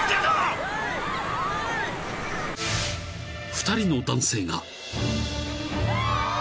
［２人の男性が］